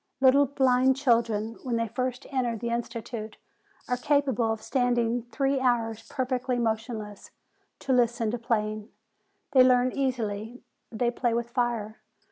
Little blind children, when they first enter the Institute, are capable of standing three hours perfectly motion less, to listen to playing. They learn easily: they play with fire.